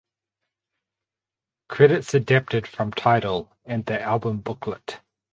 Credits adapted from Tidal and the album booklet.